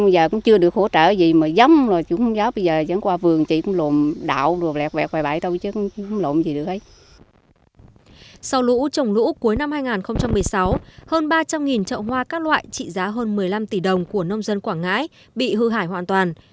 sau lũ trồng lũ cuối năm hai nghìn một mươi sáu hơn ba trăm linh trậu hoa các loại trị giá hơn một mươi năm tỷ đồng của nông dân quảng ngãi bị hư hại hoàn toàn